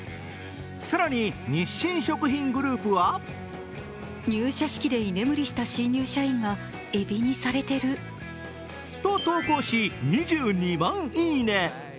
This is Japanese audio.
更に日清食品グループはと投稿し２２万いいね。